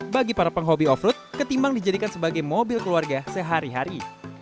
bagi para penghobi off road ketimbang dijadikan sebagai mobil keluarga sehari hari